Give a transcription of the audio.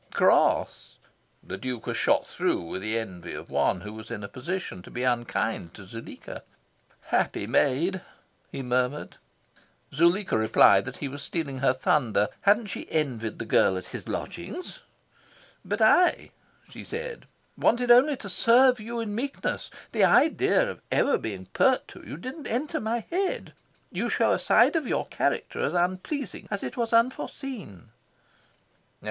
Cross! The Duke was shot through with envy of one who was in a position to be unkind to Zuleika. "Happy maid!" he murmured. Zuleika replied that he was stealing her thunder: hadn't she envied the girl at his lodgings? "But I," she said, "wanted only to serve you in meekness. The idea of ever being pert to you didn't enter into my head. You show a side of your character as unpleasing as it was unforeseen."